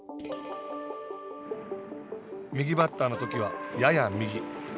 右バッターのときはやや右。